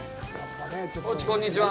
コーチ、こんにちは。